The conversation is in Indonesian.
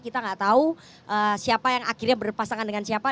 kita nggak tahu siapa yang akhirnya berpasangan dengan siapa